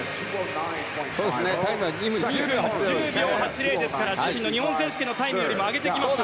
タイムは２分１０秒８０ですから自身の日本選手権のタイムより上げてきました。